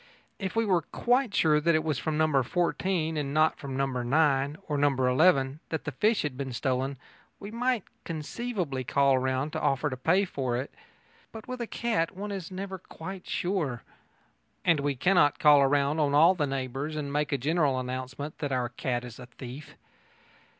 If we were quite sure that it was from No. 14, and not from No. 9 or No. 11, that the fish had been stolen, we might conceivably call round and offer to pay for it. But with a cat one is never quite sure. And we cannot call round on all the neighbours and make a general announcement that our cat is a thief.